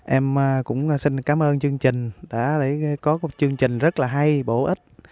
em cũng xin cảm ơn chương trình đã có một chương trình rất là hay bổ ích